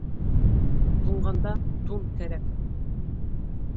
Туңғанда тун кәрәк.